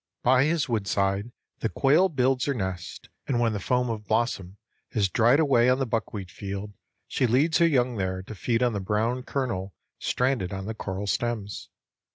By his woodside the quail builds her nest, and when the foam of blossom has dried away on the buckwheat field she leads her young there to feed on the brown kernel stranded on the coral stems.